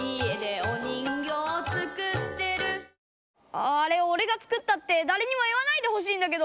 あああれおれが作ったってだれにも言わないでほしいんだけど。